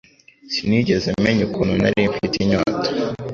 Sinigeze menya ukuntu nari mfite inyota